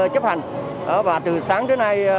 chấp hành và từ sáng tới nay